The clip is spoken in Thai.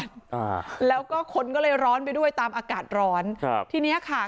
อ่าแล้วก็คนก็เลยร้อนไปด้วยตามอากาศร้อนครับทีเนี้ยค่ะ